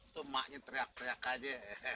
tumaknya teriak teriak aja